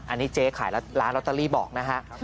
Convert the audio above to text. อันนี้เจ๊ขายร้านลอตเตอรี่บอกนะฮะ